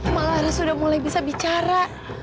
malah harus sudah mulai bisa bicara